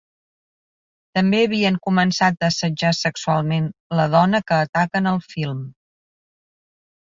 També havien començat a assetjar sexualment la dona que ataquen al film.